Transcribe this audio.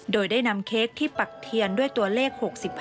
โดยได้นำเค้กที่ปักเทียนด้วยตัวเลข๖๕